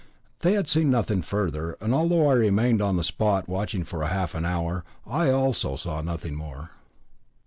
They had seen nothing further; and although I remained on the spot watching for half an hour, I also saw nothing more.